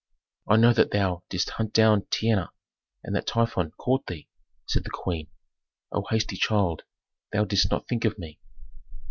"I know that thou didst hunt down Tehenna, and that Typhon caught thee," said the queen. "O hasty child, thou didst not think of me."